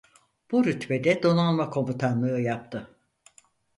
Bu rütbede Donanma Komutanlığı yaptı.